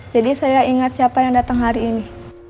jadi saya ingat siapa yang dateng hari ini